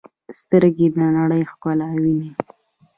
سترګې د نړۍ ښکلا ویني.